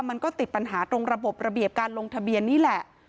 มันก็ติดปัญหาตรงระบบระเบียบการลงทะเบียนนี่แหละ